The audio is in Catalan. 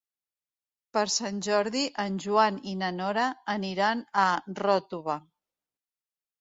Per Sant Jordi en Joan i na Nora aniran a Ròtova.